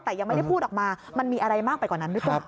แต่ยังไม่ได้พูดออกมามันมีอะไรมากไปกว่านั้นหรือเปล่า